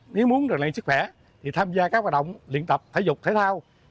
nếu muốn được lấy sức khỏe thì tham gia các hoạt động luyện tập thể dục thể thao